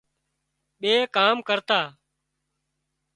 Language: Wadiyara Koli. ٻي ڪام ڪرتا